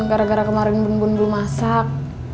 gara gara kemarin bumbun belum masak